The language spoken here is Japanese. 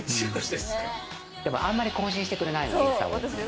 でもあんまり更新してくれないのインスタを。